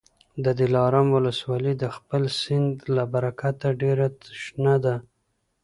د دلارام ولسوالي د خپل سیند له برکته ډېره شنه ده.